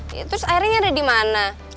ya terus airnya ada dimana